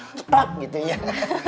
inilah masambit maaf